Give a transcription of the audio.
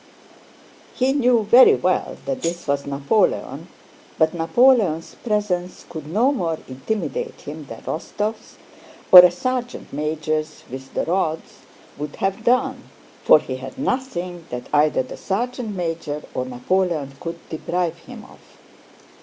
He knew very well that this was Napoleon, but Napoleon's presence could no more intimidate him than Rostóv's, or a sergeant major's with the rods, would have done, for he had nothing that either the sergeant major or Napoleon could deprive him of.